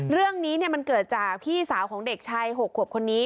เรื่องนี้มันเกิดจากพี่สาวของเด็กชาย๖ขวบคนนี้